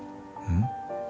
うん？